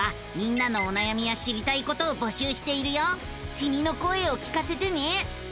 きみの声を聞かせてね。